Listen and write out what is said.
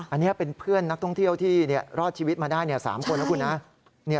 อันนี้เป็นเพื่อนนักท่องเที่ยวที่รอดชีวิตมาได้๓คนนะคุณนะ